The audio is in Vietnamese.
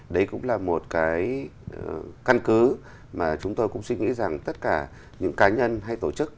đấy cũng là một cái căn cứ mà chúng tôi cũng suy nghĩ rằng tất cả những cá nhân hay tổ chức